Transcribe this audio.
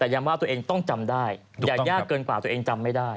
แต่ย้ำว่าตัวเองต้องจำได้อย่ายากเกินกว่าตัวเองจำไม่ได้